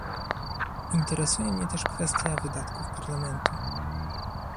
Interesuje mnie też kwestia wydatków Parlamentu